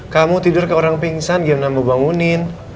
kamu tidur ke orang pingsan gimana mau bangunin